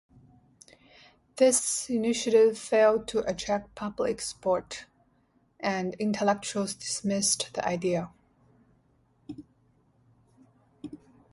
This initiative failed to attract public support, and intellectuals dismissed the idea.